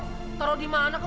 jangan bohong gua rawak dulu